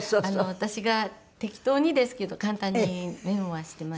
私が適当にですけど簡単にメモはしていました。